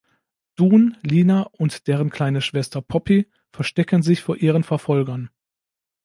Doon, Lina und deren kleine Schwester Poppy verstecken sich vor ihren Verfolgern.